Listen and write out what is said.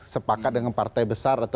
sepakat dengan partai besar atau